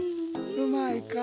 うまいか？